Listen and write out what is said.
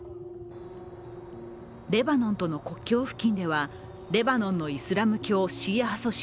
レバノンとの国境付近ではレバノンのイスラム教シーア派組織